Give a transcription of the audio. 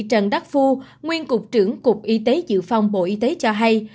trần đắc phu nguyên cục trưởng cục y tế dự phòng bộ y tế cho hay